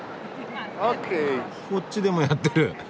こっちでもやってる。